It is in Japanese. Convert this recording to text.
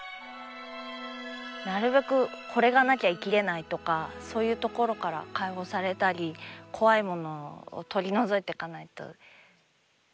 なるべく「これがなきゃ生きれない」とかそういうところから解放されたり怖いものを取り除いていかないと駄目だなと思って。